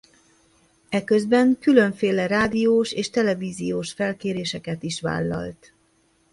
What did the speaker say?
Eközben különféle rádiós és televíziós felkéréseket is vállalt.